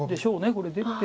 これ出て。